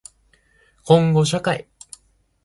こんごしゃかい